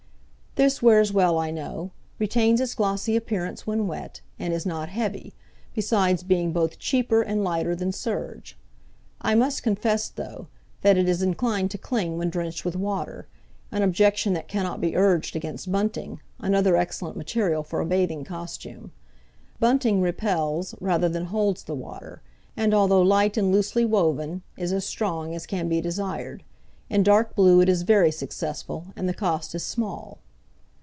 This wears well, I know, retains its glossy appearance when wet, and is not heavy, besides being both cheaper and lighter than serge. I must confess., though, that it is inclined to cling when drenched with water, an objection that cannot be urged against bunting, another excellent material for a bathing costume. Bunting repels rather than holds the water, and although light and loosely woven is as strong as can be desired; in dark blue it is very successful, and the cost is small.